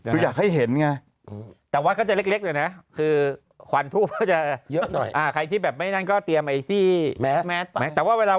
ติกแล้วก็จะหนุนหนุนเป็นทางกินความภูมิเยอะใย